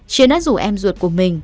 chiến đã rủ em ruột của mình